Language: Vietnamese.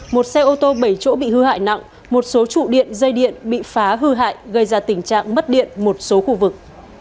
một xe ô tô bảy chỗ bị hư hại nặng một số trụ điện dây điện bị phá hư hại gây ra tình trạng mất điện một số khu vực